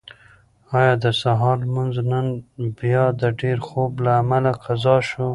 ایا د سهار لمونځ نن بیا د ډېر خوب له امله قضا شو؟